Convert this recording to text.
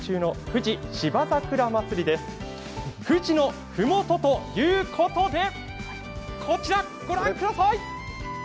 富士のふもとということで、こちらご覧ください。